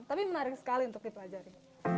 tapi menarik sekali untuk dipelajari